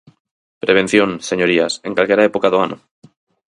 Prevención, señorías, en calquera época do ano.